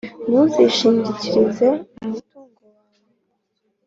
Ntuzishingikirize umutungo wawe,